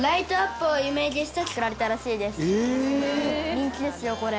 「人気ですよこれ」